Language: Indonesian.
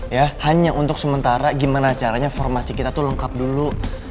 ya hanya untuk sementara gimana caranya formasi kita tuh lengkap dulu